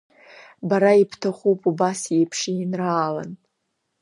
Бара ибҭахуп убас еиԥш еинраалан…